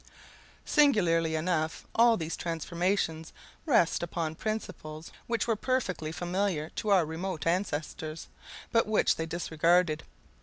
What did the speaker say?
Singularly enough, all these transformations rest upon principles which were perfectly familiar to our remote ancestors, but which they disregarded.